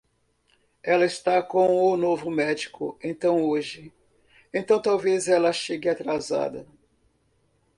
Ela está com o novo médico então hoje, então talvez ela chegue atrasada.